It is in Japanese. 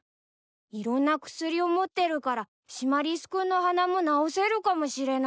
いろんな薬を持ってるからシマリス君の鼻も治せるかもしれないよ。